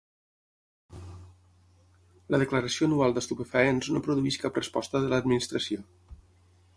La declaració anual d'estupefaents no produeix cap resposta de l'Administració.